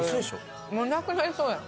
もうなくなりそうやん。